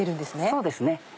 そうですね